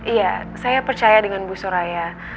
iya saya percaya dengan bu suraya